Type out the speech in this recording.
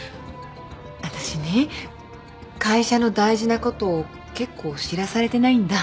私ね会社の大事なこと結構知らされてないんだ。